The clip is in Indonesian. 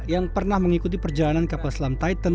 yang pernah mengikuti perjalanan kapal selam titan